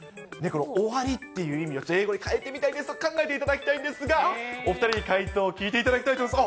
終わりっていう意味を英語に変えてみたりですとか、考えてみていただきたいんですが、お２人に解答聞いていただきたいと思います。